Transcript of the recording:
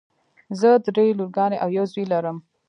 زه دری لورګانې او یو زوی لرم.